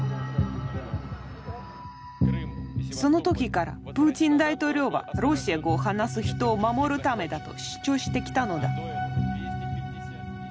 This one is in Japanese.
その時からプーチン大統領はロシア語を話す人を守るためだと主張してきたのだ。